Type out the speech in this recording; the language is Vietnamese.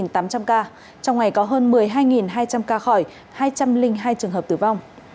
trong ngày có hơn một mươi hai hai trăm linh ca khỏi hai trăm linh hai trường hợp tử vong